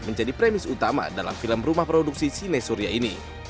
menjadi premis utama dalam film rumah produksi sine surya ini